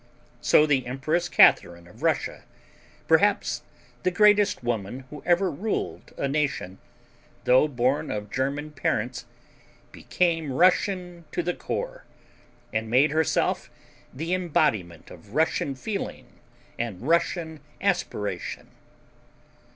So the Empress Catharine of Russia perhaps the greatest woman who ever ruled a nation though born of German parents, became Russian to the core and made herself the embodiment of Russian feeling and Russian aspiration.